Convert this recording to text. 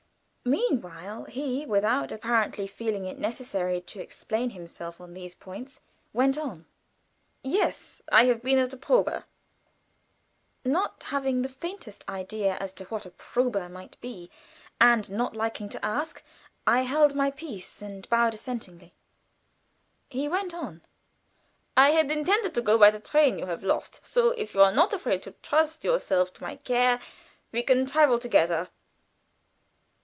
Meanwhile he, without apparently feeling it necessary to explain himself upon these points, went on: "Yes. I have been at a probe" (not having the faintest idea as to what a probe might be, and not liking to ask, I held my peace and bowed assentingly). He went on, "And I was delayed a little. I had intended to go by the train you have lost, so if you are not afraid to trust yourself to my care we can travel together."